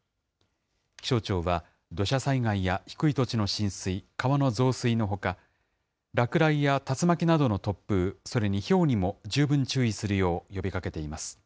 気象庁は土砂災害や低い土地の浸水、川の増水のほか、落雷や竜巻などの突風、それにひょうにも十分注意するよう呼びかけています。